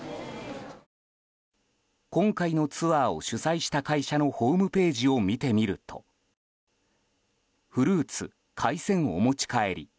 今回のツアーを主催した会社のホームページを見てみるとフルーツ＆海鮮お持ち帰り！